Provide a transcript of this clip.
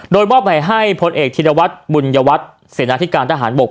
โดยมอบหมายให้พลเอกธิรวัตรบุญยวัตรเสนาธิการทหารบก